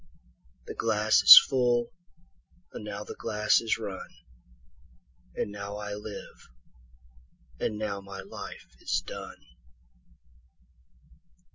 17The glass is full, and now the glass is run,18And now I live, and now my life is done.